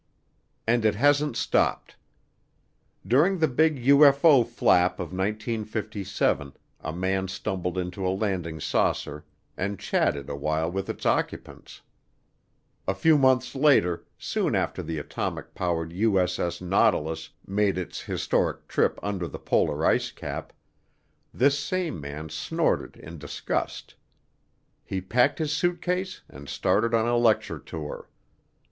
And it hasn't stopped. During the big UFO flap of 1957 a man stumbled onto a landed saucer and chatted awhile with its occupants. A few months later, soon after the atomic powered U.S.S. Nautilus made its historic trip under the polar ice cap, this same man snorted in disgust. He packed his suitcase and started on a lecture tour.